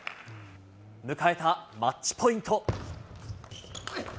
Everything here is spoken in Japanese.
迎えたマッチポイント。